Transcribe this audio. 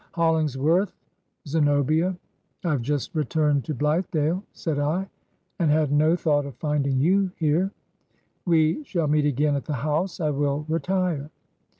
.,.' HoUingsworth — Zenobia — ^I have just returned to Blithedale,' said I, ' and had no thought of finding you here. We shall meet again at the house. I will retire.'